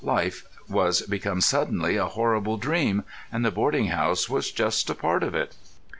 Life was become suddenly a horrible dream, and the boarding house was just a part of it.